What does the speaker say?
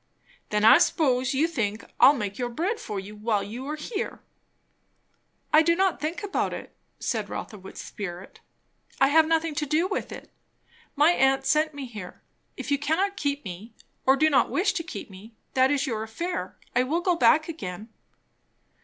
"Then I s'pose you think I'll make your bread for you while you are here?" "I do not think about it," said Rotha with spirit. "I have nothing to do with it. My aunt sent me here. If you cannot keep me, or do not wish to keep me, that is your affair. I will go back again."